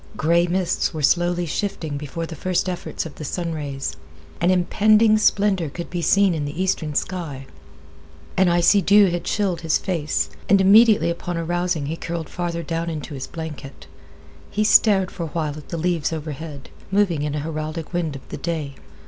Gray mists were slowly shifting before the first efforts of the sun rays. An impending splendor could be seen in the eastern sky. An icy dew had chilled his face, and immediately upon arousing he curled farther down into his blanket. He stared for a while at the leaves overhead, moving in a heraldic wind of the day.